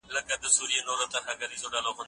د مقالي لومړۍ بڼه سمه سوي ده.